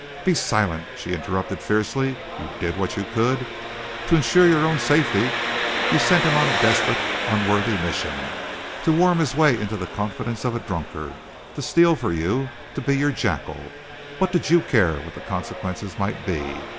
"Be silent!" she interrupted fiercely. "You did what you could! To insure your own safety you sent him on a desperate, unworthy mission to worm his way into the confidence of a drunkard, to steal for you, to be your jackal. What did you care what the consequences might be!